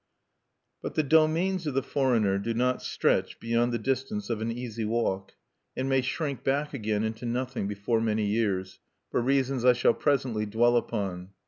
But the domains of the foreigner do not stretch beyond the distance of an easy walk, and may shrink back again into nothing before many years for reasons I shall presently dwell upon.